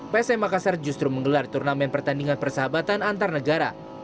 pssi makassar justru menggelar turnamen pertandingan persahabatan antarnegara